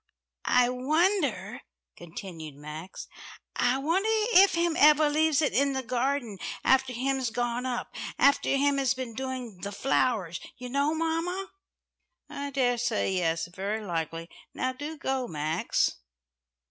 "I wonder," continued Max, "I wonder if Him ever leaves it in the garden after Him's gone up after Him has been doing the flowers, you know, mamma." "I daresay yes, very likely. Now do go, Max."